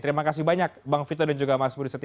terima kasih banyak bang vito dan juga mas budi setia